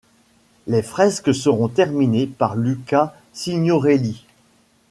Les fresques seront terminées par Luca Signorelli.